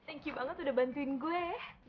eh thank you banget udah bantuin gue ya